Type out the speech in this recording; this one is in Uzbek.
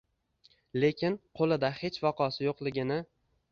lekin qo'lida hech vaqosi yo'qligini